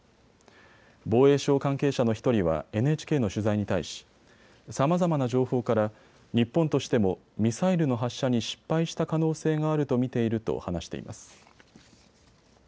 防衛省関係者の１人はＮＨＫの取材に対しさまざまな情報から日本としてもミサイルの発射に失敗した可能性があると見ていると話しています。